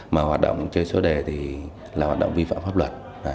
mà hoạt động trên số đề thì là hoạt động vi phạm pháp luật